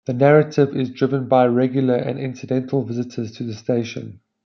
The narrative is driven by regular and incidental visitors to the station.